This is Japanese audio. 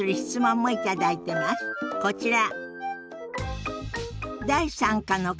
こちら。